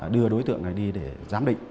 đưa đối tượng này đi để giám định